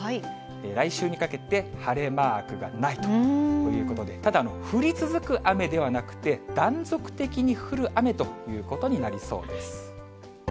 来週にかけて晴れマークがないということで、ただ、降り続く雨ではなくて、断続的に降る雨ということになりそうです。